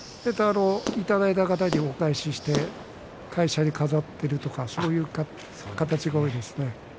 いただいた方にお返しして会社に飾っているとかそういう形が多いですね。